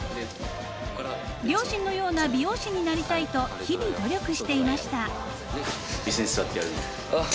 ［両親のような美容師になりたいと日々努力していました］